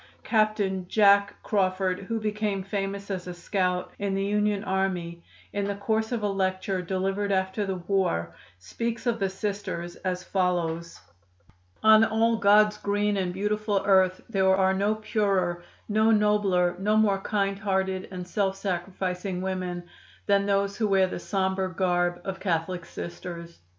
Captain "Jack" Crawford, who became famous as a scout in the Union army, in the course of a lecture delivered after the war speaks of the Sisters as follows: "On all God's green and beautiful earth there are no purer, no nobler, no more kind hearted and self sacrificing women than those who wear the sombre garb of Catholic Sisters.